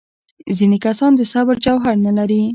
ځینې کسان د صبر جوهر نه لري.